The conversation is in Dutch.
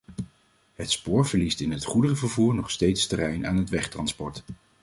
Het spoor verliest in het goederenvervoer nog steeds terrein aan het wegtransport.